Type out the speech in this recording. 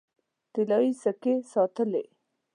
طلايي سکې ساتلې.